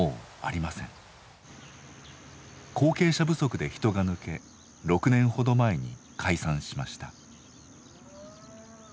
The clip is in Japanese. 後継者不足で人が抜け６年ほど前に解散しました。